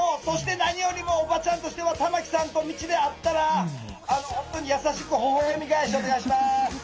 そして何よりもおばちゃんとしては玉木さんと道で会ったら本当に優しくほほえみがえしお願いします。